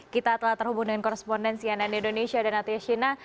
kita telah terhubung dengan korrespondensi yang ada di indonesia dan natia shina